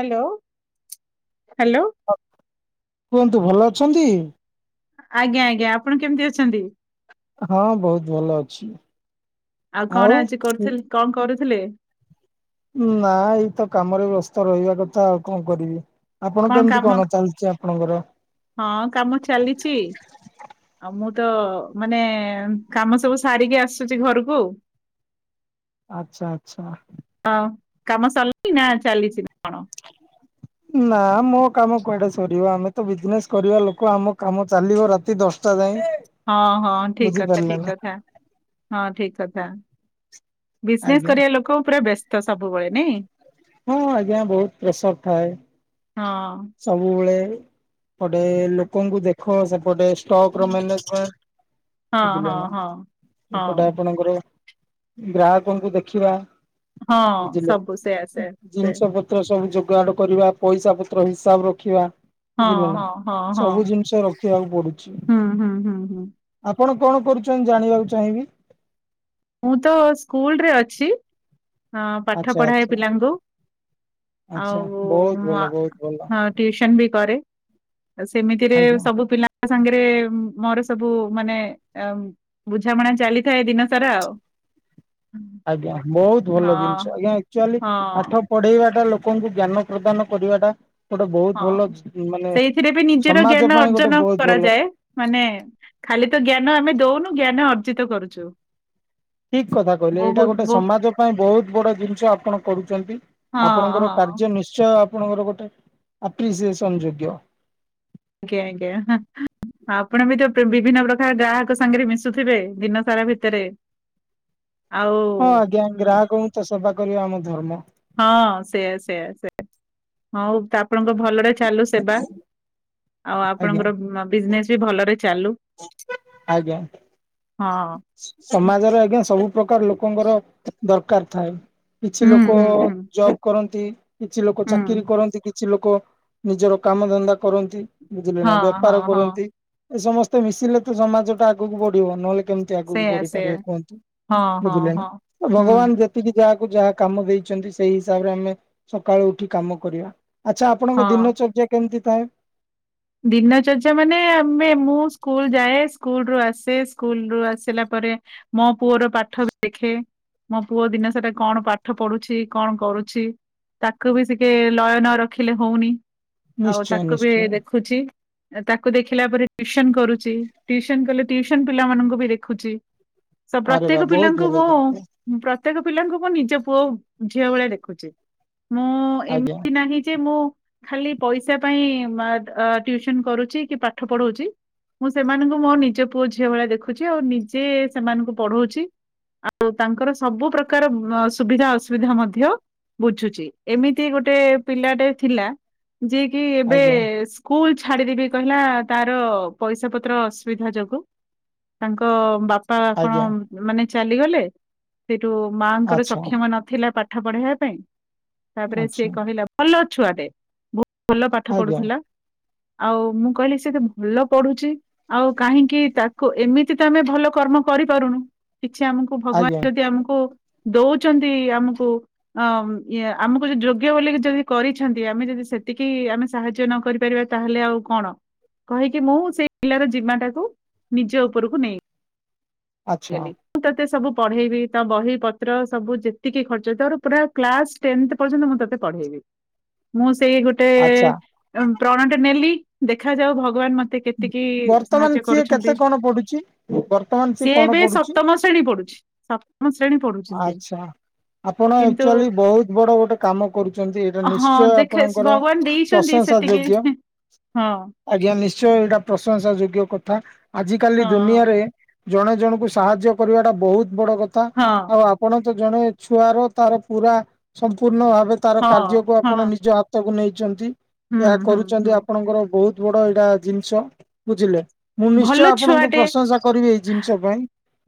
Hello hello. ହଁ, କୁହନ୍ତୁ ଭଲ ଅଛନ୍ତି? ଆଜ୍ଞା ଆଜ୍ଞା, ଆପଣ କେମିତି ଅଛନ୍ତି? ହଁ ବହୁତ ଭଲ ଅଛି। ଆଉ କଣ ଆଜି କରୁଥିଲ୍ କଣ କରୁଥିଲେ? ନା ଏଇତ କାମରେ ବ୍ୟସ୍ତ ରହିବା କଥା ଆଉ କଣ କରିବି, ଆପଣ କେମିତି କଣ ଚାଲିଚି ଆ ଆପଣଙ୍କର ହଁ କାମ ଚାଲିଚି। ଆଉ ମୁଁ ତ ମାନେ କାମ ସବୁ ସାରିକି ଆସୁଚି ଘରକୁ। ଆଚ୍ଛା ଆଚ୍ଛା। ଅ କାମ ସରିଲାଇଁ ନା ଚାଲିଚି କଣ? ନା ମୋ କାମ କୁଆଡେ ସରିବ ଆମେ ତ ବିଜନେସ୍ କରିବା ଲୋକ ଆମ କାମ ଚାଲିବ ରାତି ଦଶ ଟା ଯାଏଁ। ହଁ ହଁ ଠିକ୍ କଥା ବୁଝିପାରିଲେ ଠିକ୍ ନା କଥା ହଁ ଠିକ୍ କଥା। ବିଜନେସ ଆଜ୍ଞା କରିବା ଲୋକ ପୁରା ବେସ୍ତ ସବୁବେଳେ ନାଇଁ। ହଁ ଆଜ୍ଞା ବୋହୁତ ପ୍ରେସର୍ ଥାଏ। ହଁ। ସବୁବେଳେ। ପଟେ ଲୋକଙ୍କୁ ଦେଖ ସେପଟେ ଷ୍ଟକର ମ୍ୟାନେଜମେଣ୍ଟ। ହଁ ବୁଝିଲେ ହଁ ହଁ। ନ ହଁ ଏପଟେ ଆପଣଙ୍କର ଗ୍ରାହାକଙ୍କୁ ଦେଖିବା। ହଁ ସବୁ ସେଆ ସେଆ ସେଆ। ତ ସବୁ ଯୋଗାଡ କରିବା ପଇସାପତ୍ର ହିସାବ ରଖିବା। ହଁ ବୁଝିଲେ ନା, ହଁ ହଁ ହଁ। ସବୁ ଜିନିଷ ରଖିବାକୁ ପଡୁଚି। ହୁଁ ହୁଁ ହୁଁ ହୁଁ ଆପଣ କଣ କରୁଚ ନ୍ତି ଜାଣିବାକୁ ଚାହିଁବି? ମୁଁ ତ ସ୍କୁଲରେ ଅଛି ଆଁ ପାଠ ଆଚ୍ଛା ଆଚ୍ଛା ପଢାଏ ପିଲାଙ୍କୁ। ଆଚ୍ଛା ଆଉ ବହୁତ ଭଲ ମ ବହୁତ ଭଲ ହ ଟିଉସନ୍ ବି କରେ, ସେମିତିରେ ଆଜ୍ଞା। ସବୁ ପିଲା ଙ୍କ ସାଙ୍ଗେରେ ଉଁ ମୋର ସବୁ ମାନେ ଏ ଉଁ ବୁଝାମଣା ଚାଲିଥାଏ ଦିନ ସାରା ଆଉ ଆଜ୍ଞା ବୋହୁତ ହଁ ଭଲ ଜିନିଷ ଆଜ୍ଞା ଏକ୍ଚୁଆଲୀ ହଁ ପାଠ ପଢେଇବାଟା ଲୋକଙ୍କୁ ଜ୍ଞାନ ପ୍ରଦାନ କରିବାଟା ଗୋଟେ ହଁ ବହୁତ ଭଲ ମାନେ ସେଇଥିରେ ବି ନିଜର ଜ୍ଞାନ ସମାଜ ପାଇଁ ଅର୍ଜନ ଗୋଟେ ବହୁତ ଭଲ କରାଯାଏ ମାନେ ଖାଲି ତ ଜ୍ଞାନ ଆମେ ଦଉନୁ ଜ୍ଞାନ ଅର୍ଜିତ କରୁଛୁ। ଠିକ କଥା କହିଲେ ଏଇଟା ବହୁତ ଗୋଟେ ବହୁ ସମାଜ ପାଇଁ ବହୁତ ବଡ ଜିନିଷ ଆପଣ କରୁଛନ୍ତି। ହଁ ଆପଣଙ୍କର ହଁ। କାର୍ଯ୍ୟ ନିଶ୍ଚୟ ଆପଣଙ୍କର ଗୋଟେ ଆପ୍ରିସିଏସନ ଯୋଗ୍ୟ। ଆଜ୍ଞା ଆ୍ଞା ହଁ ଆପଣ ବି ତ ବିଭିନ୍ନ ପ୍ରକାର ଗ୍ରାହକ ସାଙ୍ଗରେ ମିଶୁଥିବେ ଦିନ ସାରା ଭିତରେ? ଆଉ ହଁ ଆଜ୍ଞା ହ ଗ୍ରାହକଙ୍କୁ ତ ସେବା କରିବା ଆମ ଧର୍ମ। ହଁ ସେୟା ସେୟା ସୋ ହଉ ଆପଣଙ୍କ ଭଲରେ ଚାଲୁ ସେବା। ଆଉ ଆଜ୍ଞା ଆପଣଙ୍କର ବିଜନେସ ବି ଭଲରେ ଚାଲୁ। ଆଜ୍ଞା ହଁ ସମାଜର ଆଜ୍ଞା ସବୁ ପ୍ରକାର ଲୋକଙ୍କର ଦରକାର ଥାଏ। କିଛି ହୁଁ ଲୋକ ହୁଁ ହୁଁ ଜଵ୍ କରନ୍ତି କିଛି ଲୋକ ହୁଁ ଚାକିରି କରନ୍ତି କି କିଛି ଲୋକ ନିଜର କାମ ଧନ୍ଦା କରନ୍ତି ବୁଝିଲେ ନା ହଁ ହଁ ବେପାର ହଁ କରନ୍ତି ଏ ସମସ୍ତେ ମିଶିଲେ ତ ସମାଜ ଟା ଆଗକୁ ବଢିବ ନହେଲେ ତ ଆଗକୁ ସେୟା ସେୟା ବଢିପାରିବ କୁହନ୍ତୁ ହଁ ହଁ ବୁଝିଲେ ନା ହଁ ତ ହୁଁ ଭଗବାନ ଯେତେ ଏତିକି ଯାହାକୁ ଯାହା କାମ ଦେଇଛନ୍ତି ସେଇ ହିସାବରେ ଆମେ ସକାଳୁ ଉଠି କାମ କରିବା। ଆଚ୍ଛା ଆପଣଙ୍କ ହଁ ଦିନଚର୍ଯ୍ୟା କେମିତି ଥାଏ? ଦିନ ଚର୍ଯା ମାନେ ଆମେ ମୁଁ ସ୍କୁଲ ଯାଏ ସ୍କୁଲ ରୁ ଆସେ ସ୍କୁଲ ରୁ ଆସିଲା ପରେ ମୋ ପୁଅର ପାଠ ଦେଖେ! ମୋ ପୁଅ ଦିନେ ସେଟା କଣ ପାଠ ପଢୁଛି କଣ କରୁଛି ତାକୁ ବି ସିକେ ଲୟ ନ ରଖିଲେ ହଉନି ଆଉ ନିଶ୍ଚୟ ତାକୁ ବି ନିଶ୍ଚୟ ଦେଖୁଛି। ତାକୁ ଦେଖିଲା ପରେଟିଉସନ କରୁଛି ଟିଉସନ କଲେ ଟିଉସନ ପିଲାମାନଙ୍କୁ ବି ଦେଖୁଛି। ସ ଆରେ ବା ପ୍ରତ୍ୟେକ ବହୁତ ପିଲାଙ୍କୁ ଭଲ ଜିନିଷ ମୋ ପ୍ରତ୍ୟେକ ପିଲାଙ୍କୁ ମୁଁ ନିଜ ପୁଅ ଝିଅ ଭଳିଆ ଦେଖୁଛି ମୁଁ ହଁ ଆଜ୍ଞା ଏମିତି ନାହିଁ ଯେ ମୁଁ ଖାଲି ପଇସା ପାଇଁ ଅ ଟ୍ୟୁସନ କରୁଛି କି ପାଠ ପଢଉଛି। ମୁଁ ସେମାନଙ୍କୁ ମୋ ନିଜ ପୁଅ ଝିଅ ଭଳିଆ ଦେଖୁଛି ଆଉ ନିଜେ ସେମାନଙ୍କୁ ପଢଉଛି। ଆଉ ତାଙ୍କର ସବୁ ପ୍ରକାର ସୁବିଧା ଅସୁବିଧା ମଧ୍ୟ ବୁଝୁଛି ଏମିତି ଗୋଟେ ପିଲାଟେ ଥିଲା ଯିଏ କିି ଏବେ ଆଜ୍ଞା ସ୍କୁଲ ଛାଡିଦେବି କହିଲା ତାର ପଇସା ପତ୍ର ଅସୁବିଧା ଯୋଗୁ। ତାଙ୍କ ବାପା ବାପା ଆଜ୍ଞା ଆପଣ ମାନେ ଚାଲିଗଲେ ସେଇଠୁ ମାଙ୍କର ଆଚ୍ଛା ସକ୍ଷମ ନଥିଲା ପା ପାଠ ପଢେଇବା ପାଇଁ ତାପରେ ସିଏ ଆଚ୍ଛା କହିଲା ଭଲ ଛୁଆଟେ। ଭଲ ପାଠ ଆଜ୍ଞା ପଢୁଥିଲା ଆଉ ମୁଁ କହିଲି ସେତ ଭଲ ପଢୁଛି। ଆଉ କାହିଁକି ତାକୁ ଏମିତି ତ ଆମେ ଭଲ କର୍ମ କରିପାରୁନୁ? କିଛି ଆମକୁ ଆଜ୍ଞା ଭଗବାନ ଯଦି ଆମକୁ ଦଉଛନ୍ତି ଆମକୁ ଅ ଇଏ ଆମକୁ ଯ ଯୋଗ୍ୟ ବୋଲିି ଯଦି କରିଛନ୍ତି ଆମେ ଯଦି ସେତିକି ଆମେ ସାହାଯ୍ୟ ନ କରି କରିବା ତାହେଲେ ଆଉ କଣ କହିକି ମୁଁ ସେଇ ପିଲାର ଜିମା ଟାକୁ ନିଜ ଉପରକୁ ନେଇ ଆଚ୍ଛା ବୁଝିଗଲି ମୁଁ ତୋତେ ସବୁ ପଢେଇବି ତ ବହି ପତ୍ର ସବୁ ଯେତିକି ଖର୍ଚ୍ଚ ତର ପୁରା କ୍ଲାସ ଟେନ୍ଥ ପର୍ଯ୍ୟନ୍ତ ମୁଁ ତତେ ପଢେଇବି ମୁଁ ସେଇ ଗୋଟେ ଆଚ୍ଛା ଗୋଟେ ପ୍ରଣଟେ ନେଲି ଦେଖାଯାଉ ଭଗବାନ ମତେ କେତିକି ବର୍ତ୍ତମାନ ସାହାଯ୍ୟ ସିଏ କେତେ କରୁଛନ୍ତି। ପଡୁଛି। ବର୍ତ୍ତମାନ। ସିଏ କଣ ଏବେ ପଡୁଛି ସପ୍ତମ ଶ୍ରେଣୀ ପଢୁଛି ସପ୍ତମ ଶ୍ରେଣୀ ପଢୁଛି ସେ ଆଚ୍ଛା ଆପଣ କିନ୍ତୁ ଆକଚୁଆଲି ବହୁତ ବଡ ଗୋଟେ କାମ କରୁଛନ୍ତି ଏଇଟା ହଁ ନିଶ୍ଚୟ ଦେଖେ ଆପଣଙ୍କର ଭଗବାନ ଦେଇଛନ୍ତି ପ୍ରଶଂସା ସେତିକି ଯୋଗ୍ୟ। ହଁ। ଆଜ୍ଞା ନିଶ୍ଚୟ ଏଇଟା ପ୍ରଶଂସା ଯୋଗ୍ୟ କଥା ଆଜି କାଲି ହଁ ଦୁନିଆରେ ଜଣେ ଜଣଙ୍କୁ ସାହାଯ୍ୟ କରିବାଟା ବହୁତ ବଡ କଥା। ହଁ ଆଉ ଆପଣ ତ ଜଣେ ଛୁଆର ତାର ପୁରା ସମ୍ପୂର୍ଣ୍ଣ ଭାବେ ତାର ହଁ କାର୍ଯ୍ୟକୁ ଆପଣ ହଁ ନିଜ କୁ ନେଇଛନ୍ତି ହୁଁ ଏହା ହୁଁ କରୁଛନ୍ତି ହୁଁ ଆପଣଙ୍କର ବହୁତ ବଡ ଏଇଟା ଜିନିଷ ବୁଝିଲେ ମୁଁ ନିଶ୍ଚୟ ଭଲ ଆପଣଙ୍କୁ ଛୁଆଟେ ପ୍ରଶଂସା କରିବି ଏଇ ଜିନିଷ ପାଇଁ।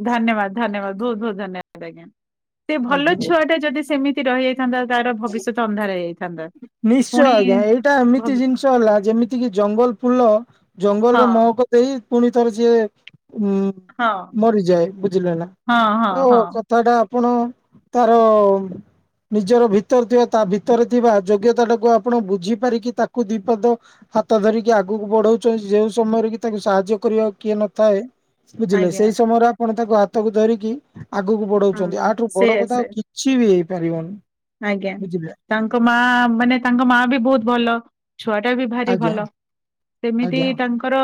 ଧନ୍ୟବାଦ ଧନ୍ୟବାଦ ବହୁତ ବହୁତ ଧନ୍ୟବାଦ ଆଜ୍ଞା। ସେ ଭଲ ଆଜ୍ଞା। ଛୁଆଟା ଯଦି ସେମିତି ରହିଯାଇଥାନ୍ତା ତାର ଭବିଷ୍ୟତ ଅନ୍ଧାର ହେଇଯାଇ ନିଶ୍ଚୟ ଆଜ୍ଞା ଏଇଟା ହଁ ଏମିତି ଜିନିଷ ହେଲା ଯେମିତି କିି ଜଙ୍ଗଲ ଫୁଲ ହଁ ଜଙ୍ଗଲର ମହକ ଦେଇ ପୁଣି ଥର ସିଏ ଉଁ ମରିଯାଏ ବୁଝିଲେନା ହଁ ହଁ ଓ ହଁ କ ଥାଟା ଆପଣ ତାର ନିଜର ଭିତରେ ଥିବା ତା ଭିତରେ ଥିବା ଯୋଗ୍ୟତାଟାକୁ ଆପଣ ବୁଝିପାରିକି ତାକୁ ଦିପଦ ହାତ ଧରିକି ଆଗକୁ ବଢଉଛନ୍ତି ଯୋଉ ସମୟରେ କି ତାଙ୍କୁ ସାହାଯ୍ୟ କରିବା କିଏ ନଥାଏ? ବୁଝିଲେ ସେଇ ଆଜ୍ଞା ସମୟରେ ଆପଣ ତାକୁ ହାତକୁ ଧରିକି ଆଗକୁ ବଢଉଛନ୍ତି ହଁ ଆଠୁ ସେ ବଡ କଥା ସେ ଆଉ କି କିଛି ବି ହେଇପାରିବନି। ଆଜ୍ଞା ବୁଝିଲେ ତାଙ୍କ ମା ମାନେ ତାଙ୍କ ମା ବି ବହୁତ ଭଲ। ଛୁଆଟା ବି ଭାରି ଆଜ୍ଞା ଭଲ ସେମିତି ଆଜ୍ଞା ତାଙ୍କ ର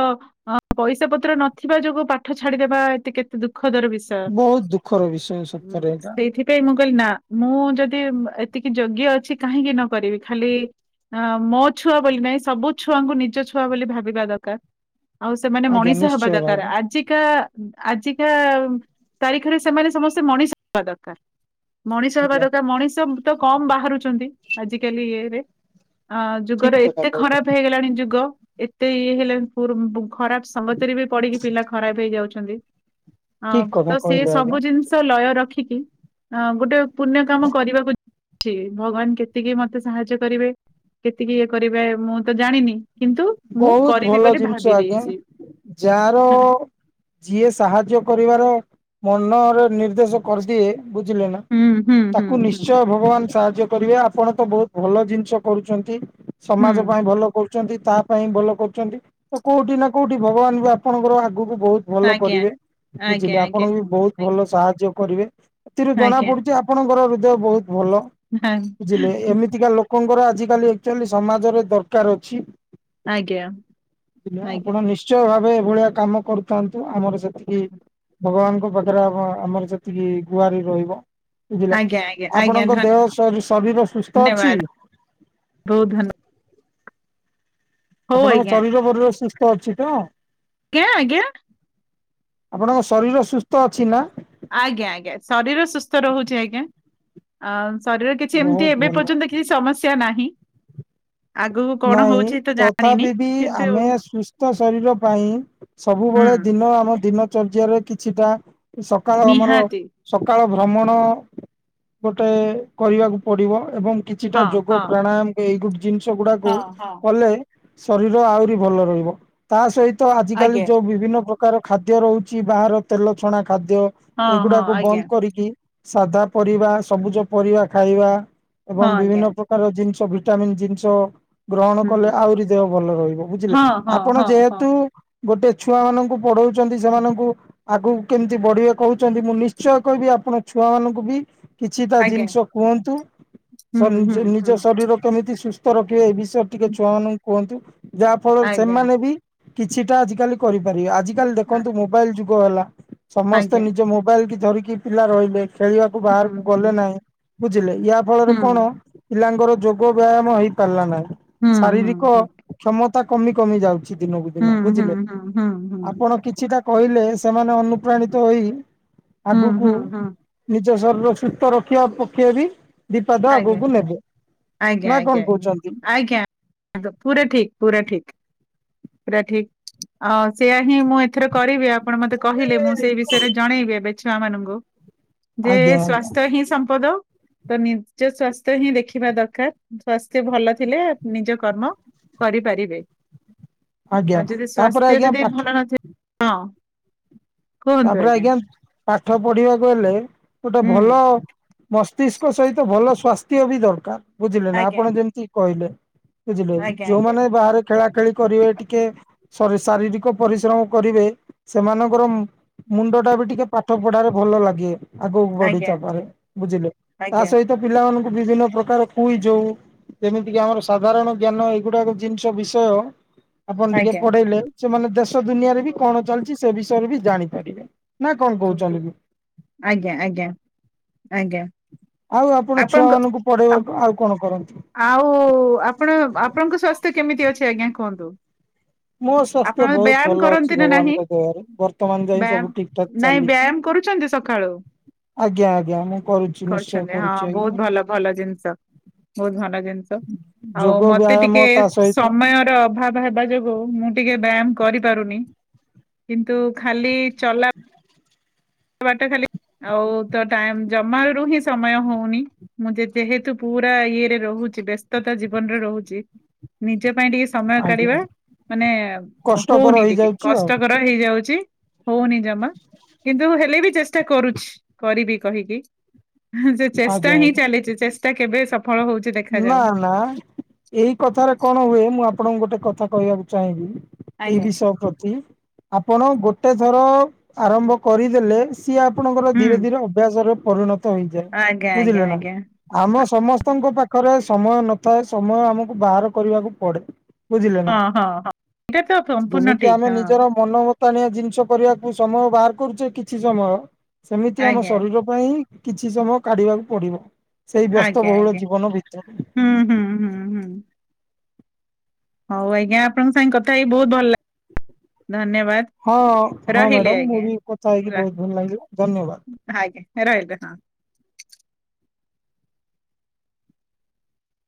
ପଇସା ପତ୍ର ନଥିବା ଯୋଗୁ ପାଠ ଛାଡିଦବା ଏ କେ ଦୁଃଖଦର ବିଷୟ ବହୁତ ଦୁଃଖର ବିଷୟ ସତରେ ଏଇଟା ସେଇଥିପାଇଁ ମୁଁ କହିଲି ନା ମୁଁ ଯଦି ଏତିକି ଯୋଗ୍ୟ ଅଛି କାହିଁକି ନ କରିବି ଖାଲି ହଁ ମୋ ଛୁଆ ବୋଲି ନାଇଁ ସବୁ ଛୁଆଙ୍କୁ ନିଜ ଛୁଆ ବୋଲି ଭାବିବା ଦରକାର। ଆଉ ସେମାନେ ଆଜ୍ଞା ମଣିଷ ହବା ନିଶ୍ଚୟ ଦରକାର ଭାବେ ଆଜିକା ଆଜିକା ତାରିଖରେ ସେମାନେ ସମସ୍ତେ ମଣିଷ ହବା ଦରକାର ମଣିଷ ହବା ଆଜ୍ଞା ଦର ମଣିଷ ତ କମ ବାହାରୁଛନ୍ତି ଆଜିକାଲି ଇଏରେ ଅ ଯୁଗର ଠିକ କଥା ଏତେ କହିଲେ ଖରାପ ଆଜ୍ଞା ହେଇଗଲାଣି ଯୁଗ। ଏତେ ଇଏ ହେଲେ ଖରାପ ସଙ୍ଗତିରେ ବି ପଢିକି ପିଲା ଖରାପ ହେଇଯାଉଛନ୍ତି। ଅ ଠିକ କଥା ତ ସେ କହିଲେ ଆଜ୍ଞା ସବୁ ଜିନିଷ ଲୟ ରଖିକି ଅ ଗୋଟେ ପୁ କାମ କରିବାକୁ ଯାଉଛି ଭଗବାନ କେତିକି ମତେ ସାହାଯ୍ୟ କରିବେ। କେତିକି ଇଏ କରିବେ ମୁଁ ତ ଜାଣିନି କିନ୍ତୁ ମୁଁ ବହୁତ କରିବି ଭଲ ବୋଲି ଜିନିଷ ଭାବି ଆଜ୍ଞା ଦେଇଛି। ଯାର ଯିଏ ସାହାଯ୍ୟ କରିବାର ମନରେ ନିର୍ଦ୍ଦେଶ କରଦିଏ। ବୁଝିଲେ ନା ହୁଁ ହୁଁ ହୁଁ ତାକୁ ହୁଁ ନିଶ୍ଚୟ ଭ ଭଗବାନ ସାହାଯ୍ୟ କରିବେ ଆପଣ ତ ବହୁତ ଭଲ ଜିନିଷ କରୁଛନ୍ତି ହୁଁ ସମାଜ ପାଇଁ ଭଲ କରୁ ତା ପାଇଁ ଭଲ କରୁଛନ୍ତି ତ କୋଉଠି ନା କୋଉଠି ଭଗବାନ ବି ଆପଣଙ୍କର ଆଗକୁ ବହୁତ ଭଲ ଆଜ୍ଞା କରିବେ ଆଜ୍ଞା ବୁଝିଲେ ଆଜ୍ଞା ଆପଣଙ୍କୁ ବି ବହୁତ ଭଲ ସାହାଯ୍ୟ କରିବେ ଏଥିରୁ ଜଣା ଆଜ୍ଞା ପଡୁଛି। ଆପଣଙ୍କର ହୃଦୟ ବହୁତ ଭଲ ଆଜ୍ଞା ବୁଝିଲେ ଏମିତିକା ଲୋକ ଲୋକଙ୍କର ଆଜିକାଲି ଆକ୍ଚୁଲି ସମାଜରେ ଦରକାର୍ ଅଛି। ଆଜ୍ଞା। ପିଲା ଆଜ୍ଞା ଆପଣ ନିଶ୍ଚୟ ଭାବେ ଏଭଳିଆ କାମ କରୁଥାନ୍ତୁ ଆମର ସେତିକି ଭଗବାନଙ୍କ ପାଖ ରେଆମ ଆମର ସେତିକି ଗୁଆର ରହିବ ବୁଝିଲା ଆଜ୍ଞା ଆଜ୍ଞା ଆଜ୍ଞା ଆପଣଙ୍କ ଦେହ ସୁ ସୁସ୍ଥ ଶରୀର ସୁସ୍ଥ ଅଛି ଧନ୍ୟବାଦ ବହୁତ୍ ଧନ୍ୟବା ହଉ ଆପଣଙ୍କ ଆଜ୍ଞା ଶରୀର ଫରୀର ସୁସ୍ଥ ଅଛିତ? ଆଜ୍ଞା ଆଜ୍ଞା। ଆପଣଙ୍କ ଶରୀର ସୁସ୍ଥ ଅଛିନା? ଆଜ୍ଞା ଆଜ୍ଞା ଶରୀର ସୁସ୍ଥ ରହୁଚି ଆଜ୍ଞା ଆ ଶରୀର କିଛି ଏମିତି ବହୁତ ଏବେ ଭଲ। ପର୍ଯ୍ୟନ୍ତ କି କି ସମସ୍ୟା ନାହି। ନାଇଁ ଜାଣିନି ତଥାପିବି କିନ୍ତୁ ଆମେ ସୁସ୍ଥ ଶରୀର ପାଇଁ। ହୁଁ ସବୁବେଳେ ଦିନ ଆମ ଦିନ ଚର୍ଯାରେ କିଛିଟା ସକାଳ ଆମର ନିହାତି ସକାଳ ଭ୍ରମଣ ଗୋଟେ କରିବାକୁ ପଡ଼ିବ ଏବଂ କିଛିଟା ହଁ ଯୋଗ ହଁ ପ୍ରାଣାୟାମ ଏଇ ଗୁ ଜିନିଷ ଗୁଡାକୁ ହଁ ହଁ କଲେ ଶରୀର ଆହୁରି ଭଲ ରହିବ ତାସହିତ ଆଜିକାଲି ଆଜ୍ଞା ଯୋଉ ବିଭିନ୍ନ ପ୍ରକା ପ୍ରକାର ଖାଦ୍ୟ ରହୁଚି ବାହାର ତେଲ ଛଣା ଖାଦ୍ୟ ହଁ ହଁ ଏଗୁଡ଼ାକ ଆଜ୍ଞା ବନ୍ଦ କରିକି ସାଧା ପରିବା ସବୁଜ ପରିବା ଖାଇବା ହଁ ଏବଂ ଆଜ୍ଞା ବିଭିନ୍ନ ପ୍ର କାର ଜିନିଷ ଭିଟାମିନ୍ ଜିନିଷ ଗ୍ରହଣ କଲେ ହୁଁ ଆହୁରି ଦେହ ଭଲ ରହିବ ବୁଝିଲେ ହଁ ହଁ ଆପଣ ହଁ ହଁ ଯେହେତୁ ଗୋଟେ ଛୁଆ ମାନଙ୍କୁ ପଢଉଚନ୍ତି ସେମାନଙ୍କୁ ଆଗକୁ କେମିତି ବଢିବେ କହୁଚନ୍ତି ମୁଁ ନିଶ୍ଚୟ କହିବି ଆପଣ ଛୁଆ ମାନଙ୍କୁବି କିଛିଟା ଆଜ୍ଞା ଜିନିଷ କୁହନ୍ତୁ ହୁଁ ସନ୍ ହୁଁ ନିଜ ହୁଁ ଶରୀର କେମିତି ସୁସ୍ଥ ରଖିବେ ଏବିଷ ୟରେ ଟିକେ ଛୁଆ ମାନଙ୍କୁ କୁହନ୍ତୁ ଯାହା ଫଳରେ ଆଜ୍ଞା ସେମାନେବି କିଛିଟା ଆଜିକାଲି କରିପାରିବେ ଆଜି ଆଜିକାଲି ଆ- ଦେଖନ୍ତୁ ମୋବାଇଲ୍ ଯୁଗ ହେଲା ସମସ୍ତେ ଆଜ୍ଞା ନିଜ ମୋବାଇଲକି ଧରିକି ପିଲା ରହିଲେ ଖେଳିବାକୁ ହୁଁ ବାହାରକୁ ଗଲେ ହୁଁ ନାହିଁ ବୁଝିଲେ ୟା ଫଳରେ ହୁଁ କଣ ପିଲାଙ୍କର ଯୋଗ ବ୍ୟାୟାମ ହେଇ ପାରିଲା ନାହିଁ ହୁଁ ହୁଁ ଶାରୀରିକ ହୁଁ କ୍ଷମତା କମି କମି ଯାଉଚି ଦିନକୁ ହୁଁ ଦିନ ହୁଁ ବୁଝିଲେ ହୁଁ ହୁଁ ହୁଁ ଆପଣ କିଛିଟା କହିଲେ ସେମାନେ ଅନୁପ୍ରାଣିତ ହୋଇ ହୁଁ ଆଗକୁ ହୁଁ ହୁଁ ନିଜ ଶରୀର ସୁସ୍ଥ ରଖିବା ପକେଇବି ଦି ପାଦ ଆଜ୍ଞା ଆଗକୁ ନେବେ ଆଜ୍ଞା ଆଜ୍ଞା ନାକଣ କଉଚନ୍ତି। ଆଜ୍ଞା ଆଜ୍ଞା ଆ ପୁରା ଠିକ୍ ପୁରା ଠିକ୍। ପୁରା ଠିକ୍ ଆଉ ସେୟାହିଁ ମୁଁଏଥର କରିବି ଆପ ଆପଣ ମତେ କହିଲେ ମୁଁ ସେଇ ବିଷୟରେ ଜଣେଇବି ଏବେ ଛୁଆ ମାନଙ୍କୁ। ଯେ ଆଜ୍ଞା ଆଜ୍ଞା ସ୍ଵସ୍ଥ୍ୟହିଁ ସମ୍ପଦ ତ ନି ନିଜ ସଵାସ୍ଥ୍ୟହିଁ ଦେଖିବା ଦରକାର୍ ସ୍ୱାସ୍ଥ୍ୟ ଭଲ ଥିଲେ ନିଜ କର୍ମ କରିପାରିବେ ଆଜ୍ଞା ଆଉ ଯଦି ତାପରେ ସ୍ବାସ୍ଥ୍ୟ ଆଜ୍ଞା ଯଦି ପାଠ ଭଲ ନଥିବ ହଁ। ତାପରେ ଆଜ୍ଞା ପାଠ ପଢିବାକୁ ହେଲେ ଗୋଟେ ହୁଁ ଭଲ ମସ୍ତ ମସ୍ତିଷ୍କ ସହିତ ଭଲ ସଵାସ୍ଥ୍ୟବି ଦରକାର୍ ବୁଝିଲେନା ଆଜ୍ଞା ଆପଣ ଯେମିତି କହିଲେ। ବୁଝିଲେ ଆଜ୍ଞା ଆଜ୍ଞା ଯୋଉମାନେ ବାହାରେ ଖେଳାଖେଳି କରିବେ ଟିକେ ଶରି ଶାରୀରିକ ପରିଶ୍ରମ କରିବେ ସେମାନଙ୍କର ମୁଣ୍ଡଟାବି ଟିକେ ପାଠ ପଢାରେ ଭଲ ଲାଗେ ଆଗକୁ ବଢି ଆଜ୍ଞା ଚାପାରେ ବୁଝିଲେ ଆଜ୍ଞା ତାସହି ତ ପିଲାମାନଙ୍କୁ ବିଭିନ୍ନ ପ୍ରକାର କୁଇ ଯୋଉ ଯେମିତିକି ଆମର ସାଧାରଣ ଜ୍ଞାନ ଏଗୁଡ଼ାକ ଜିନିଷ ବିଷୟ ଆପଣ ଟିକେ ଆଜ୍ଞା ପଢେଇଲେ ସେମାନେ ଦେଶ ଦୁନିଆରେବି କଣ ଚାଲିଚି ସେ ବିଷୟରେବି ଜାଣି ନା କଣ କହୁଚନ୍ତି। ଆଜ୍ଞା ଆଜ୍ଞା ଆଜ୍ଞା ଆଉ ଆପଣ ଛୁଆ ଆପଣଙ୍କ ମାନଙ୍କୁ ଆପ ପଢେଇବାକୁ ଆଉ କଣ କରନ୍ତି। ଆଉ ଆପଣ ଆପଣଙ୍କ ସ୍ଵାସ୍ଥ୍ୟ କେମିତି ଅଛି ଆଜ୍ଞା କୁହନ୍ତୁ। ମୋ ସ୍ୱାସ୍ଥ୍ୟ ଆପଣ ବହୁତ ବ୍ୟାୟାମ ଭଲ ଅଛି କରନ୍ତି ନା ନାହିଁ ଭଗବାନଙ୍କ ଦୟାରୁ ବର୍ତ୍ତମାନ ଯାଇ ବ୍ୟାୟମ ସବୁ ଠିକ ଠାକ ନାଇଁ ଚାଲିଛି। ବ୍ୟାୟାମ କରୁଛନ୍ତି। ସ ସକାଳୁ ଆଜ୍ଞା ଆଜ୍ଞା ମୁଁ କରୁଛି ନିଶ୍ଚୟ କରୁଛନ୍ତି ହଁ କରୁଛି ଆଜ୍ଞା ବହୁତ ଭଲ ଭଲ ଜିନିଷ। ବହୁତ ଭଲ ଜିନିଷ ଆଉ ଯୋଗ ମତେ ବ୍ୟାୟାମ ଟିକେ ତା ସହିତ ସମ ସମୟର ଅଭାବ ହେବା ଯୋଗୁ ମୁଁ ଟିକେ ବ୍ୟାୟାମ କରିପାରୁନି। କିନ୍ତୁ ଖାଲି ଚଲା। ବାଟ ଖାଲି ଆଉ ତ ଟାଇମ ଜମାରୁ ହିଁ ସମୟ ହଉନି। ମୁଁ ଯେ ଯେହେତୁ ପୁରା ଇଏରେ ରହୁଛି ବ୍ୟସ୍ତତା ଜୀବନରେ ରହୁଛି। ନିଜ ପାଇଁ ଟିକେ ସମୟ ଆଜ୍ଞା କାଢିବା ମାନେ କଷ୍ଟକର ହଉନି ଟିକେ ହେଇଯାଉଛି ଆଉ କଷ୍ଟକର। ତ ହେଉ ଯାଉଛି ହୋଉନି ଜମା କିନ୍ତୁ ହେ ଲେ ବି ଚେଷ୍ଟା କରୁଛି କରିବି କହିକି ଚେଷ୍ଟା ଆଜ୍ଞା ହିଁ ଆଜ୍ଞା ଚାଲିଛି ଚେ ଟା କେବେ ସଫଳ ହଉ ନା ନା ଏଇ କଥାରେ କଣ ହୁଏ ମୁଁ ଆପଣଙ୍କୁ ଗୋଟେ କଥା କହିବାକୁ ଚାହିଁବି। ଏଇ ଆଜ୍ଞା। ବିଷୟ ପ୍ରତି ଆପଣ ଗୋଟେ ଥର ଆରମ୍ଭ କରିଦେଲେ। ସିଏ ଆପଣଙ୍କର ହୁଁ ଧୀରେ ଧୀରେ ଅଭ୍ୟାସରେ ପରିଣତ ହେଇଯାଏ ଆଜ୍ଞା ଆଜ୍ଞା ବୁଝିଲେ ନା। ଆଜ୍ଞା ଆମ ସମସ୍ତଙ୍କ ପାଖରେ ସମୟ ନଥାଏ ସମୟ ଆମକୁ ବାହାର କରିବାକୁ ପଡେ। ବୁଝିଲେ ନା ହଁ ହଁ ହଁ। ଏଇଟା ତ ସମ୍ପୂର୍ଣ୍ଣ ଯେମିତି ଠିକ ଆମେ ହଁ ନିଜର ମନ ମ ତାଣିଆ ଜିନିଷ କରିବାକୁ ସମୟ ବାହାର କରୁଛେ। କିଛି ସମୟ ସେମିତି ଆମ ଆଜ୍ଞା ଶରୀର ପାଇଁ କିଛି ସମୟ କାଢିବାକୁ ପଡିବ। ସେଇ ଆଜ୍ଞା ବ୍ୟସ୍ତବହୁଳ ଆଜ୍ଞା। ଜୀବନ ଭିତରେ। ହୁଁ ହୁଁ ହୁଁ ହୁଁ। ହଉ ଆଜ୍ଞା ଆପଣଙ୍କ ସାଙ୍ଗେ କଥା ହେଇ ବହୁତ ଭଲ ଧନ୍ୟବାଦ। ହଁ ହଁ ରହିଲି ମ୍ୟାଡ଼ାମ ମୁଁ ଆଜ୍ଞା। ବି କଥା ହେଇକି ର- ବହୁତ ଭଲ ଲାଗିଲା ଧନ୍ୟବାଦ। ଆଜ୍ଞା ରହିଲି ହଁ।